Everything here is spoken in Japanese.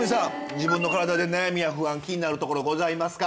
自分の体で悩みや不安気になるところございますか。